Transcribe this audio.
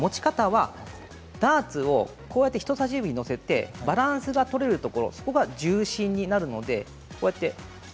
ダーツを人さし指にのせてバランスが取れるところそこが重心になります。